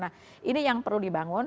nah ini yang perlu dibangun